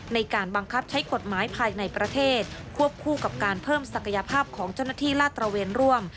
ในการบังคับใช้กฎหมายภายในประเทศควบคู่กับการเพิ่มศักยภาพของเจ้าหน้าที่ลาดตระเวนร่วม